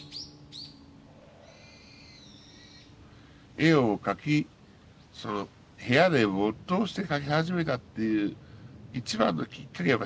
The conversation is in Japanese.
絵を描きその部屋で没頭して描き始めたっていう一番のきっかけはん？